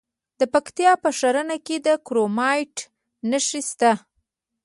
د پکتیکا په ښرنه کې د کرومایټ نښې شته.